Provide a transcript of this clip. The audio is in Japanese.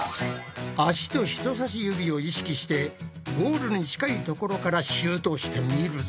足と人さし指を意識してゴールに近いところからシュートしてみるぞ。